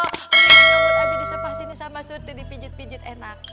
nih nyomot aja di sepah sini sama surti dipijit pijit enak